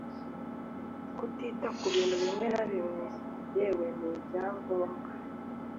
Kutita ku bintu bimwe na bimwe yewe n’ibyangombwa